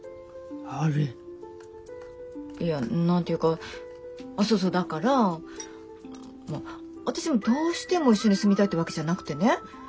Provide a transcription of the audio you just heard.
いや何て言うかあっそうそうだから私もどうしても一緒に住みたいってわけじゃなくてね。